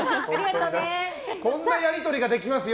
こんなやり取りができますよ！